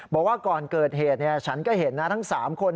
บอกว่าก่อนเกิดเหตุฉันก็เห็นนะทั้ง๓คน